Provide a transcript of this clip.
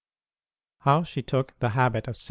HOW SHE TOOK THE HABIT OF ST.